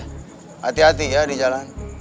hati hati ya di jalan